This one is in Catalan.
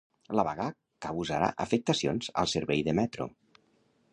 La vaga causarà afectacions al servei de metro